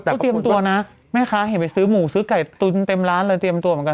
ก็เตรียมตัวนะแม่ค้าเห็นไปซื้อหมูซื้อไก่ตุนเต็มร้านเลยเตรียมตัวเหมือนกัน